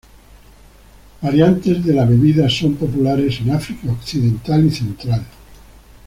Variantes de la bebida son populares en África occidental y central.